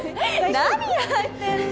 何やってんの？